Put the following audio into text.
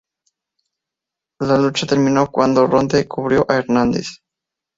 La lucha terminó cuando Roode cubrió a Hernández.